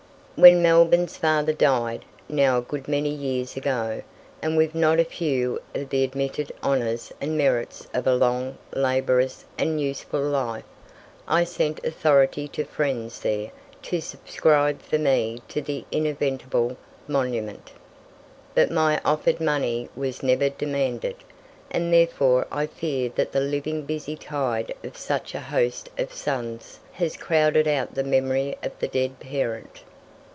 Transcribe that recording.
When Melbourne's father died, now a good many years ago, and with not a few of the admitted honours and merits of a long, laborious, and useful life, I sent authority to friends there to subscribe for me to the inevitable monument. But my offered money was never demanded, and therefore I fear that the living busy tide of such a host of sons has crowded out the memory of the dead parent.